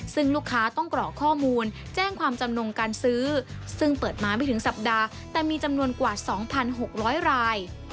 ซึ่งลูกค้าต้องกรอกข้อมูลแจ้งความจำนงการซื้อซึ่งเปิดมาไม่ถึงสัปดาห์แต่มีจำนวนกว่า๒๖๐๐ราย